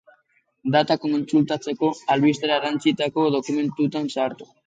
Datak kontsultatzeko, albistera erantsitako dokumentuan sartu.